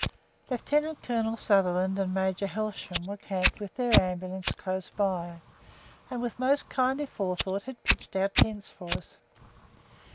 Lieutenant Colonel Sutherland and Major Helsham were camped with their Ambulance close by, and with most kindly forethought had pitched our tents for us.